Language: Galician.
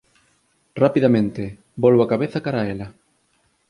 Rapidamente, volvo a cabeza cara a ela.